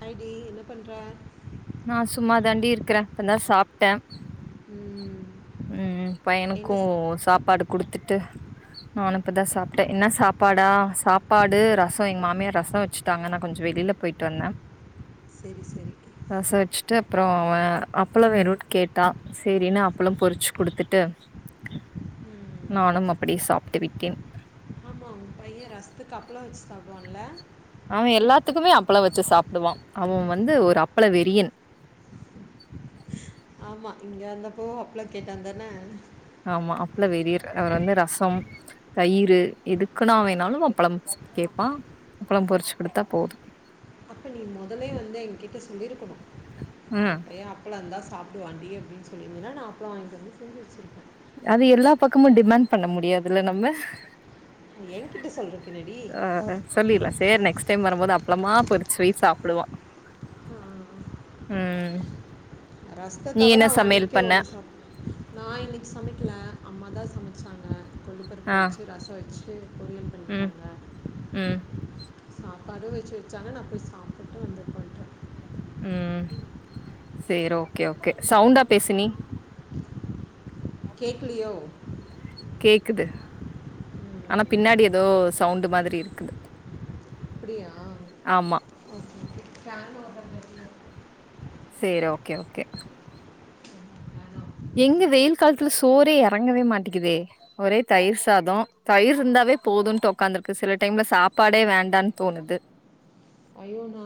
ஹடி என்ன பண்ற நான சும்மா தாண்டி இருக்கிறேன் இப்பந்தான் சாப்பட்டேன் ம் ம் என்ன பையனுக்கும் ஸ்- சாப்பாடு குடுத்துட்டு நான் இப்பதான் சாப்படடேன் என்ன சாப்பாடா சாப்பாடு ரசம் எங்க மாமியார் ரசம் வச்சுட்டாங்க நான் கொஞ்சம் வெளியில போயிட்டு வந்தேன் செரி செரி அப்பறம் அவன் அப்பள வேணும்ன்னனு கேட்டா சரினு அப் அப்பளும் பொறிச்சு குடுத்துட்டு நானும் அப்டியே சாப்பட்டு விட்டேன் ஏய் ரசஸத்துக்கு அப்புளம் வச்சு சாப்படுவான்ல அவன் எல்லாத்துக்குமே அப்பளம் வச்சு சாப்பிடுவான் அவன் வந்து ஒரு அப்பளம் வெறியன் ஆமா இங்க வந்தப்போ அப்பளோ கேட்டாந்தானே ஆமா அப்பள வெறியர் அவர் வந்து ரசம் தயிர் எதுக்குனா வேணாலும் அப்பளம் கேட்பான் அப்பளம் பொரிச்சு கொடுத்தா போதும் முதலே வந்து என் கிட்ட வந்து சொல்லியிருக்கணும் ம் என் பையன் அப்பள அந்தா சாப்பட அப்பள சாப்புடுவாண்டி சொல்லிருந்தன்னா நான் அப்பளம் வாங்கி ட்டு வந்து செஞ்சு வச்சிருப்பேன் அது எல்லா பக்கமும் டிமாண்ட் பண்ண முடியாதுல நம்ம என்கிட்ட சொல்கிறேன்னடி ஆ சொல்லிர்லா சேர் நெக்ஸ்ட் டைம் வரும்போது அப் அப்பளமா பொறிச்சு வை சாப்பிடுவான் ம் ரசத்த நீ தவர என்ன அவன் சமையல் அன்னைக்கே பண்ண ஒண்ணு சாப்பட்டள நான இன்னைக்கு சமைக்கல அம்மா தான் ச்சாங்க கொள்ளு பருப்பு வச்சி ரசம் வச்சி [unintelligible] உம் உம் சாப்பாடும் வச்சு வச்சாங்க நான் போய் சாப்பிட்டு வந்தேன் போய்ட்டு உம் சரி ஓகே ஓகே சவுண்டா பேசினி கேக்களையோ கேக்குது ஆனா பின்னாடி ஏதோ சவுண்ட் மாதிரி இருக்குது ப்படியா ஆமா செரி ஓகே ஓகே ஃபேன் ஆஃப் பண்ணிடுறேன். எங்க வெயில் காலத்துல சோறே இறங்கவே மாட்டேக்குதே ஒரே தயிர் சாதம் தயிர் இருந்தாவே எங்க வெயில் காலத்துல சோறே எறங்கவே மாட்டிக்குதே போதும்ன்னு உடக்காந்துருக்கு சில டைம்ல சாப்பாடே வேண்டான்னு தோணுது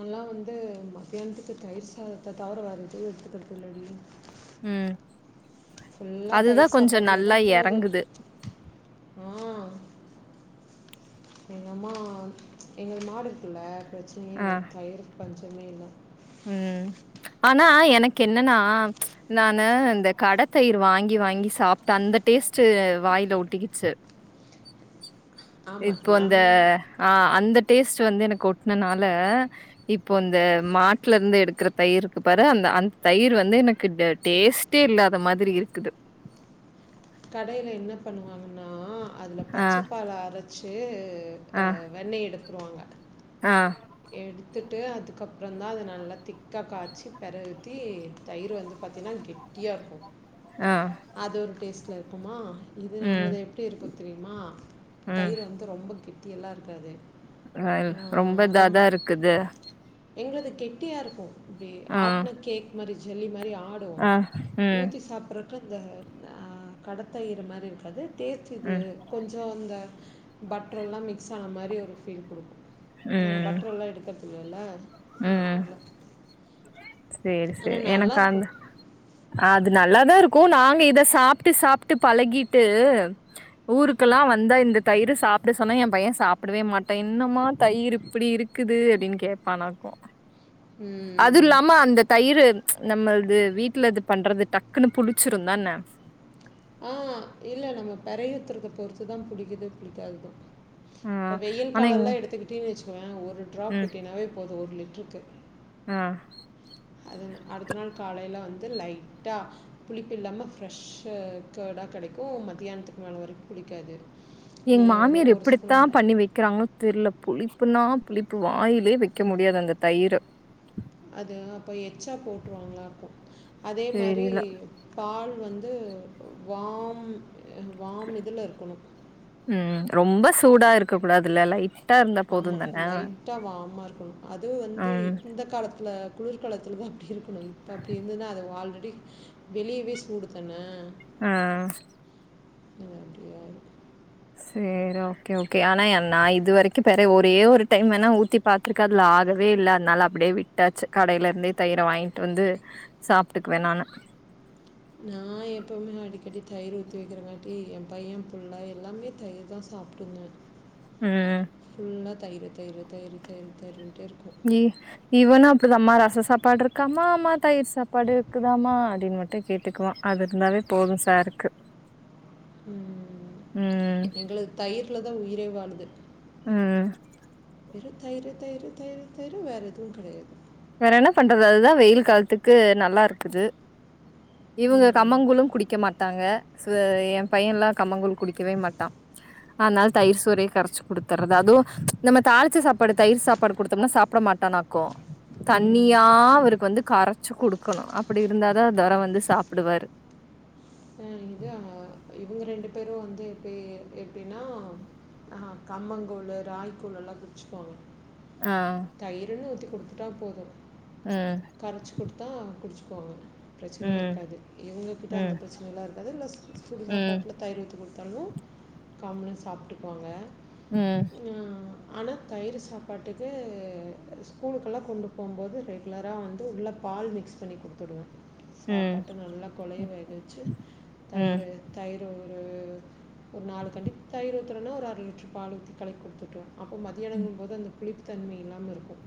அதலாம் வந்து மத்தியானத்துக்கு தயிர் சாதத்தை தவிர வேற எடுத்துக்கிறது இள்ளாடி ம் ஃபுல்லா அதுதா தயிர் கொஞ்சோ நல்லா சாப்பாட்டுலயேதான் போகுது எறங்குது ஆஹ் எங்க அம்மா எங்கள் மாடு இருக்குள்ள பிரச்சன ஆ இல்லை தயிர் பஞ்சமே இல்லை ம் ஆனா எனக்கு என்னன்னா ச் நானு இந்த கடை தயிர் வாங்கி வாங்கி சாப்பிட்ட அந்த டேஸ்ட்ட் வாயில ஒட்டிக்கிச்சு ஆமாம் இப்போ அந்த நம் ஆஹ் அந்த டேஸ்ட் வந்து எனக்கு ஒட்டுனதுனால இப்போ இந்த மாட்டுல இருந்து எடுக்கிற தயிரு இருக்கு பாரு அந்த அந்த தயிர் வந்து எனக்கு டேஸ்ட்டே இல்லாத மாதிரி இருக்குது கடையில என்ன பண்ணுவாங்கன்னா அதுல ஆ, பச்சைப்பாலம் அரைச் சே ஹ வெண்ணய எடுக்க வாங்க ஆஹ் எடுத்துட்டு அதுக்கப்புறம் தான் அதை நல்லா திக்கா காய்ச்சி பெர ஊத்தி தயிர் வந்து பாத்தீனா கெட்டியா இருக்கும் ஆ, அது ஒரு டேஸ்ட் லைப்போ மா இது ம், நம்மளது எப்டி இருக்க தெரியுமா தயிர் வந்து ரொம்ப கெட்டி பட்டி எல்லாம் இருக்காது ஆஹல்ல ரொம்ப தத் இதான் இருக்குது எங்களது கெட்டியாக இருக்கும் அப்புடி ஆ, ஆட்ன கேக் மரி ஜல்லி மரி ஆடுவோம் ஆ, ம், ஊற்றி சாப்பிடறக்க இந்த கட தயிறு மாதிரி இருக்காது தேச்சிது ம், கொஞ்சம் அந்த பட்டர் எல்லாம் மிக்ஸ் ஆன மாதிரி ஒரு ஃபீல் கொடுக்கும் நாங்க ம், பட்டர் எல்லாம் எடுக்க எல னல்ல சரி சரி எனக்கு அந்த அது நல்லா தான் இருக்கும் நாங்க இதை சாப்பிட்டு சாப்பிட்டு பழகிட்டு ஊருக்கெல்லாம் வந்தா இந்த தயிர் சாப்பிட சொன்னா என் பையன் சாப்பிடவே மாட்டேன் என்னமா தயிர் இப்படி இருக்குது அப்படின்னு கேட்பான்னாக்கும் உம்ம்ம் அந்த தயிர் நம்மது வீட்டுல இது பண்றது டக்குன்னு புளிச்சிருந்தான ஆஹ் இல்ல நம்ம பெரையத்துருக்க பொறுத்துதான் புளிக்குது பிளிக்காதது ஆ இப்ப வெயில் ஆனா எங் காலெல்லாம் எடுத்துக்கிட்டே சுவன் ஒரு ட்ராப் விட்டினாவே போது ஒரு ட்ருக்கு ஆஹ் அது அடுத்த நாள் காலையில வந்து அ லைட்டாக புளிப்பு இல்லாமல் ஃப்ரெஷ்ஷு க்கேடா கிடைக்கும் மத்தியானத்துக்கு மேலே வரைக்கும் புளிக்காது நீ எங்க ஒரு மாமியார் ஸ்பூன் எப்படித்தான் பண்ணி வைக்கிறாங்களோ தெரியில புளிப்புனா புளிப்பு வாயிலே வைக்க முடியாது அந்த தயிர அது அப்ப எக்சா போட்டுருவாங்களா இருக்கும் அதே மாதிரி தெரில பால் வந்து வந்து வாம் வாம் இதுல இருக்கணும் ம் ரொம்ப சூடா இருக்க கூடாதுல லைட் ஆமா லைட்டா வாம்மா இருக்கணும் அது வந்து ம் இந்த காலத்துல குளிர்களத்தல அப்படி இருக்கும் இப்ப அப்படி இருந்துது அது ஆல்ரெடி அப்படி வெளியவே சூடுத்தானே ஆஹ் என்னண்டிய சரி ஓகே ஓகே ஆனா என் நா இது வரைக்கும் வேற ஒரே ஒரு டைம் வேனா ஊத்தி பாத்துருக்கேன் அதுல ஆகவே இல்ல அதனால அப்படியே விட்டாச்சு கடையில இருந்தே தயிர வாங்கிட்டு வந்து சாப்பிட்டுக்குவேன் நானு நான் எப்பவுமே அடிக்கடி தயிரு த வைக்கிறங்காட்டி என் பையன் புல்ல எல்லாமே தயிர் தான் சாப்பிடுங்க உம் இ தயிரு தயிரு தயிரு தயிரு தயிரு ன்டே ஈ இவனு அப்படிதம்மா ரச சாப்பாடு இருக்காமா அம்மா தயிர் சாப்பாடு இருக்குதாமா அப்படின்னு மட்டும் கேட்டுக்குவான் அது இருந்தாவே போதும் சாருக்கு ம் ம் எங்களுக்கு தயிர்லதான் உயிரே வாழும் [inaudible] ஆ வெறும் தயிரு தையிரு தையிரு தையிரு வேறு எதுவும் கெடையாது வேற என்ன பண்றது அதுதான் வெயில் காலத்துக்கு நல்லா இருக்குது இவுங்க ம் கம்மங்கூலும் குடிக்க மாட்டாங்க ஐஸ் வேர் என் பையன்லாம் கம்மங்கூல் குடிக்கவே மாட்டான் ஆனால தயிர் சோறைய கரச்சி குடுத்துர்றது அதுவும் நம்ம ச்சி தாளிச்சி சாப்பாடு தயிர் சாப்பாடு கொடுத்தோம்னா சாப்பிட மாட்டானாக்கும் ம் தண்ணியா அவருக்கு வந்து கரச்சு குடுக்கணும் அப்படி இருந்தா தொர வந்து சாப்டுவாரு ஆ இது இவங்க ரெண்டு பெரும் வந்து எப்டி எப்டின்னா [inaudible] கம்மங்கூழூ ராகிகூழலாம் குடிச்சுக்குவாங்க ஆ தயிர்ன்னு ஊத்த கொடுத்துட்டா போதும் ம் கரச்சு குடுத்தா குடிச்சு போங்க பிரச்சனையே ம் இருக்காது இவங்ககிட்ட அந்த ம் பிரச்சனை இருக்காது இல்ல சுமா ம் சுடுசாப்பாட்ல தயிர எது குடுத்தாலும் காமானா சாப்பிட்டுக்குவாங்க ம் ஆனால் தயிறு சாப்பாட்டுக்கு ஸ்கூலுக்கெல்லாம் கொண்டு போகும்போது ரெகுலராக வந்து உள்ளே பால் மிக்ஸ் பண்ணி குடுத்துடுவேன் ம் சாப்பாட்டு நல்லா கொலைய்ய வேக வச்சு ம் தயிரு தயிர் ஒரு ஒரு நாலு தட்டுக்குகண்டித்தாயபத்தி எத்தனனா ஒரு அரை லட்ச பால் ஊித்தி களக்கி குடுத்துட்டோம் து மதியியானங்களும் போது அந்த புளிப்பு தன்மை இல்லாம இருக்கும்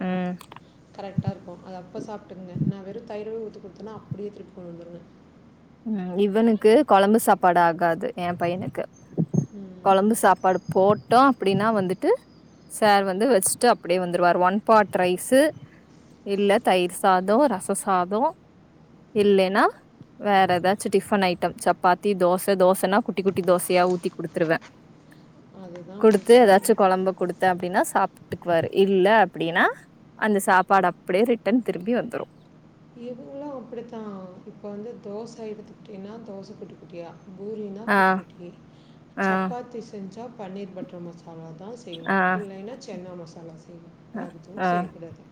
ம் கரெக்டா இருக்கும் அத அப்ப சாப்ட்டுகுங்க நான் வெறும் தயிர கொடுத்தனா அப்டியே திருப்பி கொண்டுவந்துருவேன் ம் இவனுக்கு கொழம்பு சாப்பாடு ஆகாது என் பையனுக்கு கொழம்பு சாப்பாடு போட்டோம் அப்டின்னா வந்து வந்துட்டு சார் வந்து வச்சுட்டு அப்டியே வந்துருவாரு ஒன் பார்த் ரைஸு இல்ல தயிர் சாதோ ரச சாதோ இல்லைன்னா வேற ஏதாச்சும் டிஃபன் ஐட்டம் சப்பாத்தி தோச தோசன்னா குட்டி குட்டி தோசையா ஊத்தி குடுத்துருவேன் அதுதான் குடுத்து பிரச்சனையே ஏதாச்சும் கொழம்பு குடுத்தேன் அப்டின்னா சாப் வீட்டுக்குவார இல்ல அப்டின்னா அந்த சாப்பாடு அப்டியே ரிட்டன் திரும்பி வந்துரும் இதுவும் அப்படித்தான் இப்ப வந்து தோசை எடுத்துக்கிட்டியன தோசை குட்டி குட்டியா பூரினா ஆ குட்டிக்கிட்டி ஆ சப்பாத்தி செஞ்சா பன்னீர் பட்டர் மசாலா தான் செய்யணும் ஆ இல்லன்னா சென்ன மசாலாதா செய்யணும் அ வேறு எதுவும் ஆ செய்யக்கூடாது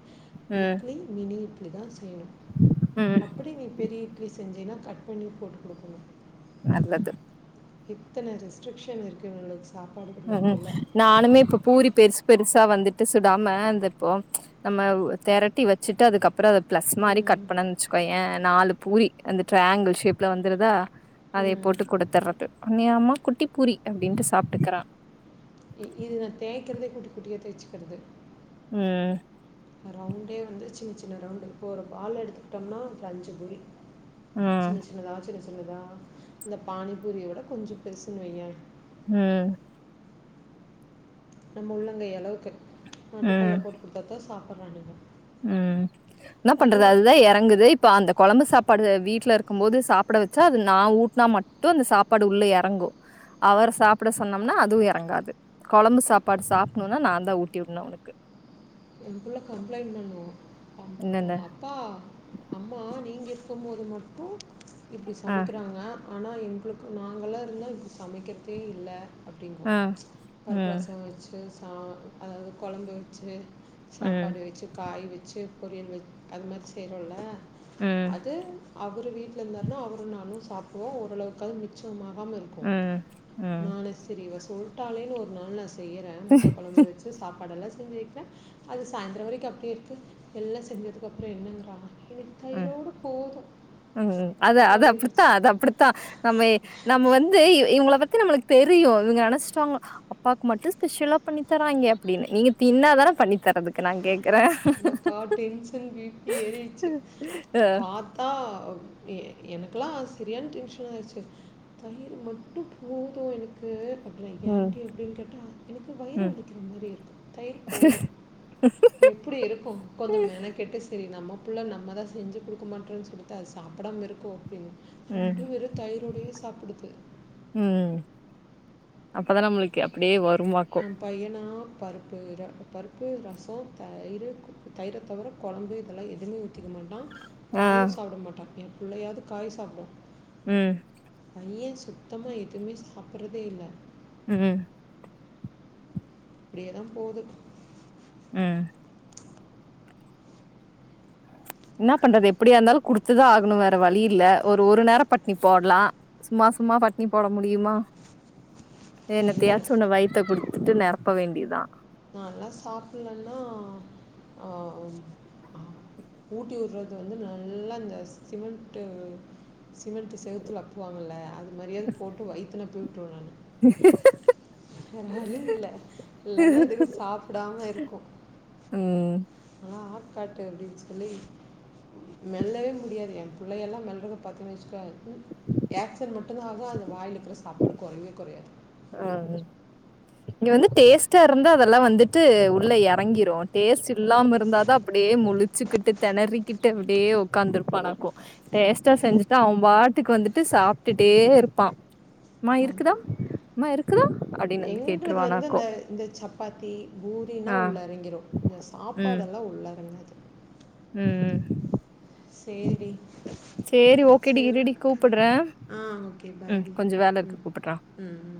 ம் இட்லி மினிட் இப்படிதா செய்யனும் ம் அப்படி நீ பெரிய கிஸ்ட்ஷ் செஞ்சின்னா கட் பண்ணி போட்டு குடுக்கணும் நல்லது இத்தன ரிஸ்டேக்க்ஷன் இருக்கு உங்களுக்கு உம்உம் நானுமே இப்ப பூரி பெருசு பெருசா வந்துட்டு சுடாம அந்த இப்போ நம்ம தேரட்டி வச்சுட்டு அதுக்கப்பறம் அத ப்ளஸ் மாரி கட் பன்னனு வேச்சுக்கோய நாலு பூரி அந்த ட்ரையாங்கிள் ஷேப்லா வந்துருதா அதே ம். போட்டு குடுத்துறது உண்மையாமா குட்டி பூரி அப்டின்ட்டு சாப்ட்டுக்குறான் இதுல தே தேக்கிறதே குட்டி குட்டியே தேச்சிக்கிறது ம் ரவுண்டே வந்து சின்ன சின்ன ரவுண்ட் வந்து சின்ன சின்ன ரவுண் இப்போ ஒரு பால் எடுத்துக்கிட்டோம்னா ஒரு அஞ்சு பூரி ம் சின்ன சின்னதா சின்ன சின்ன புரிதா இந்த பானிபூரியோட கொஞ்சம் பெருசுன்னுவைய உம் நம்ம உள்ளகை அளவுக்கு நா டிஃபன்ல போட்டு கொடுத்ததா சாப்ப போறானூங்க உம் நா பண்றது அதுதான் இறங்குது இப்ப அந்த குழம்பு சாப்பாடு வீட்டுல இருக்கும்போது சாப்பிட வச்சா அது நா ஊட்டினா மட்டும் அந்த சாப்பாடு உள்ள இறங்கும் அவர சாப்பட சொன்னோம்னா அதுவும் இறங்காது குழம்பு சாப்பாடு சாப்பணும்னா நான் நான் தா ஊட்டி விடனும் அவனுக்கு என்புள்ள கம்ப்ளைன்ட் பண்ணுவா என்னென்ன ம் அப்பா அம்மா நீங்க சுத்தபோது மா இப்போ இப்படி ஆ சமைக்கிறாங்க ஆனா எங்களுக்கு வாங்கலாம இருந்தால் எங்களுக்கு சமைக்கிறதே இல்ல அப்டிங்க ஆ ம் பருப்புரசம் வச்சு சா அதாவது கொழம்பு வச்சு ம் சாப்பாடு வேச்சு காய் வேச்சு பொரியல்கள் அது மாரி செய்றோல்ல ம் அது அவர் வீட்டில் இருந்தாருனா அவர் நானும் சாப்டுவோம் ஓரளவுக்கு அது மிச்சமாக ம் இருக்கும் ம் ம் நானே சரி வச சொல்ட்டாளேன்னு ஒரு நாள் நா செ செய்யறேன் முட்டை கொழம்பு வச்சு சாப்பாடல்ல செஞ்சுருக்க அது சாயந்தரம் வரைக்கும் அப்படியே இருக்குது எல்லாம் செஞ்சதுக்குப்புறம் என்னங்கிறாங்க உம் உம் உம் அது அது அப்பிடித்தா அப்படின்ட்டுச்சு அது அப்பிடித்தா நம்ம நம்ம வந்து இ இவங்கள பத் க்கு நம்மளுக்கு தெரியு இவங்க நெனைச்சிட்டாங்க அப்பாக்கு மட்டும் ஸ்பெஷலா பண்ணி தறாங்கே அப்டின்னு நீங்க தின்னாதான பண்ணி தரறதுக்கு நான் கே எனக்கா டென்ஷன் பி பி எறிருச்சு அ. பாத்தா எ எனக்கெலா அது சரியான டென்ஷன் ஆயிருச்சு தயிர் மட்டு போது எனக்கு அப்பற ம். ஏன்ட்டி அப்படின்னு கேட்டால் எனக்கு வயிறு ம். வலிக்கிற மாதிரி இருக்கும் தயிர் போதும் எ அப்படி இருக்கும் கொஞ்சம் மெனக்கெட்டு சரி நம்ம பிள்ள நம்மதா செஞ்சு குடுக்கமாட்றோன்னு சொல்லித்தா அது சாப்படாம இருக்கோ அப்டி ம். ரெண்டும் பேரும் தயிரோடயே சாப்பிடுது ம். அப்பதான் நம்மளுக்கு அப்படியே எ வருமாக்கும் பையனா பருப்பு பருப்பு ரசம் தயிர் தயிர தவிர குழம்பு இதெல்லாம் எதுவுமே செய்ய மாட்டான் ஆ. காயும் சாப்பிட மாட்டா பிள்ளையாது காய் சாப்டு உம் பையன் சுத்தமாக எதுவுமே சாப்பிட்றதே இல்லை உம் இப்டியேதா போகுது உம் என்ன பண்றது எப்படியா இருந்தாலு குடுத்துதா ஆகணு வேற வழி இல்ல ஒரு ஒரு நேரோ பட்னி போடலா சும்மா சும்மா பட்னி போட முடியுமா இல்ல என்னத்தையாச்சு ஒண்ண வயித்த குடு விட்டு நேரப்ப வேண்டியதா நான்லா சாப்பட்லன்னா அஹ் அ ஊட்டி விடுறது வந்து நல்லா இந்த சிமெண்ட்டு சிமெண்ட்டு செத்துல அப்புவாங்கள்ல அது மரியாதது போட்டு வைத்துல [unintelligible] வேற வழி இல்ல இல்லன்னா ம் இது து சாப்டாம இருக்கு உம் ஆ ஆக்காட்டு அப்படின்னு சொல்லி மெல்லவே முடியாது என் பிள்ளைய எல்லாம் மெல்றத பாரத்தீன்ன வச்சுக்க ஏக்சன் மட்டும்தான் ஆகும் அந்த வாயில் இருக்கிற சாப்பாடு குறைவே குறையாது உஹம் இங்க வந்து டேஸ்ட்டா இருந்தா அதெல்லாம் வந்துட்டு உள்ள எறங்கிடும் டேஸ்ட் இல்லாம இருந்தாதான் அப்படியே முளிச்சுக்கிட்டு திணறிகிட்டு அப்படியே உக்காந்துருப்பான்னாக்கும் டேஸ்ட்டா செஞ்சுட்டுா அவன் வாட்டுக்கு வந்துட்டு சாப்புட்டுட்டே இருப்பான் மா இருக்குதா ம்மா இருக்குதா அப்டின்னு வந்து எங்களுக்கு வந்து கேட்டுருவானாக்கு இந்த இந்த சப்பாத்தி பூரினா ஆ உள்ளறங்கிரும் இந்த சாப்பாடெல்லாம் உள்ளறங்காது உம்உம் சரி ஓகேடி சரிதா இருடி கூப்புட்றே ஆஹ் ஓகே பாய் ம் கொஞ்ச வேல இருக்கு உம் கூப்புட்றே உம் உம்